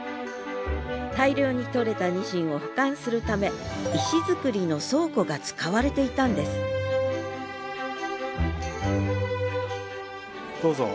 大量に取れたニシンを保管するため石造りの倉庫が使われていたんですどうぞ。